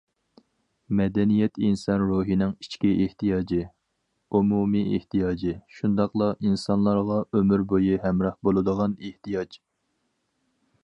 مەدەنىيەت ئىنسان روھىنىڭ ئىچكى ئېھتىياجى، ئومۇمىي ئېھتىياجى، شۇنداقلا ئىنسانلارغا ئۆمۈر بويى ھەمراھ بولىدىغان ئېھتىياج.